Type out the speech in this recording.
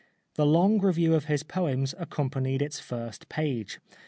The long review of his poems occupied its first page.